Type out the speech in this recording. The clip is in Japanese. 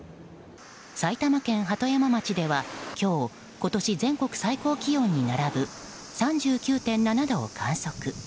埼玉県鳩山町では今日、今年全国最高気温に並ぶ３９．７度を観測。